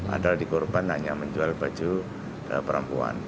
ada di korban nanya menjual baju perempuan